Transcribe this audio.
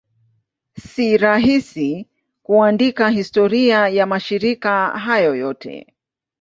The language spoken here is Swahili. Si rahisi kuandika historia ya mashirika hayo yote.